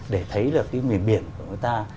để thấy là cái miền biển của người ta